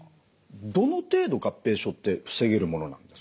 どの程度合併症って防げるものなんですか？